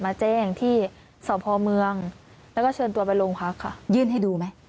มาแจ้งที่สพเมืองแล้วก็เชิญตัวไปโรงพักค่ะยื่นให้ดูไหม